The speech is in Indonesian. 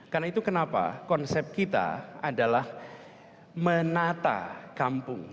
karena itu kenapa konsep kita adalah menata kampung